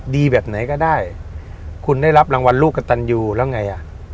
แบบไหนก็ได้คุณได้รับรางวัลลูกกระตันยูแล้วไงอ่ะ